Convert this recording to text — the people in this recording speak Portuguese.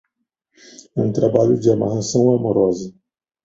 É um trabalho de amarração amorosa